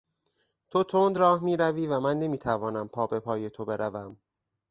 تو تند راه میروی و من نمیتوانم پابهپای تو بروم.